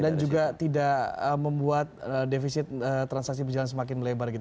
dan juga tidak membuat defisit transaksi berjalan semakin melebar gitu